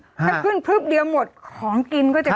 ถ้าขึ้นเพิบเหลียวหมดของกินก็จะขึ้น